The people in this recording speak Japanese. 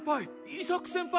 伊作先輩！